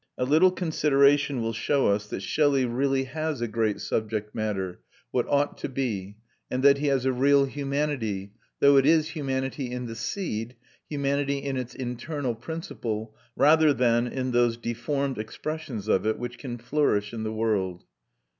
A little consideration will show us that Shelley really has a great subject matter what ought to be; and that he has a real humanity though it is humanity in the seed, humanity in its internal principle, rather than in those deformed expressions of it which can flourish in the world.